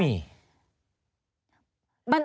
ไม่มี